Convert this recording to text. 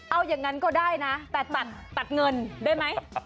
เอาอย่างนั้นก็ได้นะแต่ตัดเงินได้ไหม